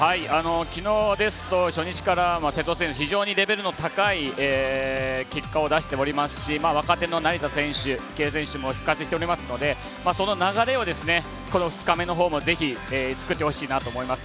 昨日ですと、初日から非常にレベルの高い結果を出しておりますし若手の成田選手も復活しておりますのでその流れを２日目のほうもしっかり作ってほしいなと思います。